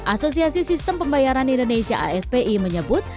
asosiasi sistem pembayaran indonesia aspi menyebut